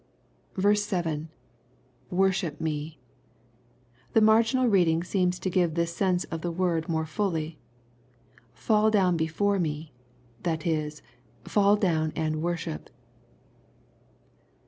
7. — [Worthip me.] The marginal reading seems to give the sense of the word more fully, —" fidl down before me," that is, " fall down and worship."